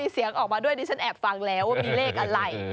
เสียงออกมาด้วยดิฉันแอบฟังแล้วว่ามีเลขอะไร